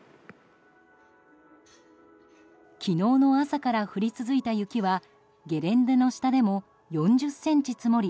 昨日の朝から降り続いた雪はゲレンデの下でも４０ｃｍ積もり